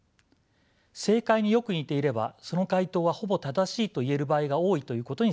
正解によく似ていればその回答はほぼ正しいといえる場合が多いということにすぎません。